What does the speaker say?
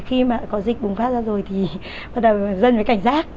khi mà có dịch bùng phát ra rồi thì bắt đầu dân phải cảnh giác